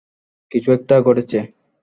কিছু একটা ঘটেছে?